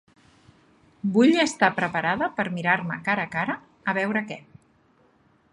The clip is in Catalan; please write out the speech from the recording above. Vull estar preparada per mirar-me cara a cara, a veure què.